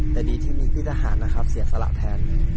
แต่ดีที่มีพี่ทหารนะครับเสียสละแทน